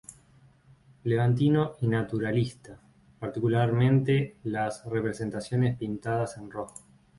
Levantino y naturalista, particularmente las representaciones pintadas en rojo.